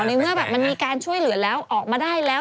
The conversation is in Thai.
ในเมื่อแบบมันมีการช่วยเหลือแล้วออกมาได้แล้ว